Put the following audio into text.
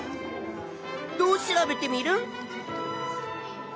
どう調べテミルン？